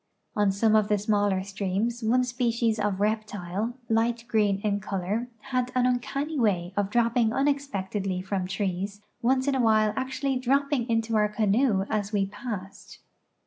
On some of the smaller streams one species of reptile, light green in color, had an uncanny way of dropping unexpectedly from trees, once in awhile actually dropping into our canoe as we passed.